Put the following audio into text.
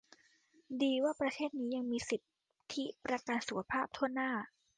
ดีว่าประเทศนี้ยังมีสิทธิประกันสุขภาพถ้วนหน้า